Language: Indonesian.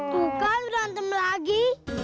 tuh kan berantem lagi